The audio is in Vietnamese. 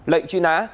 lệnh truy nã